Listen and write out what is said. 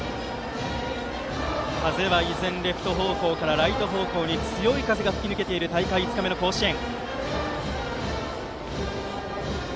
風は以前レフト方向からライト方向に強く吹き付けている大会５日目の甲子園。